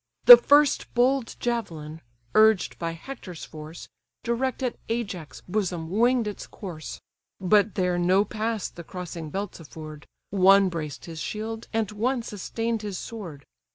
The first bold javelin, urged by Hector's force, Direct at Ajax' bosom winged its course; But there no pass the crossing belts afford, (One braced his shield, and one sustain'd his sword.)